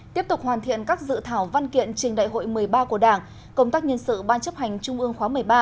tiếp tục hoàn thiện các dự thảo văn kiện trình đại hội một mươi ba của đảng công tác nhân sự ban chấp hành trung ương khóa một mươi ba